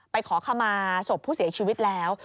ขอขมาศพผู้เสียชีวิตแล้ว